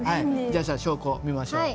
じゃあ証拠を見ましょう。